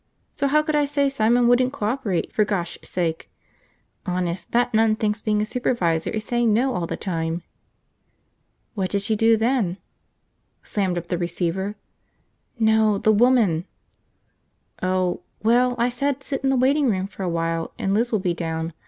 So how could I say Simon wouldn't co operate, for gosh sake! Honest, that nun thinks being a supervisor is saying no all the time." "What did she do then?" "Slammed up the receiver." "No – the woman!" "Oh. Well, I said sit in the waiting room a while and Liz will be down.